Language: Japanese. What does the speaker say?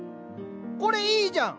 これいいじゃん！